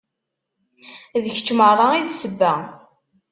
D kečč merra i d ssebba